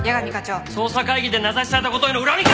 捜査会議で名指しされた事への恨みか！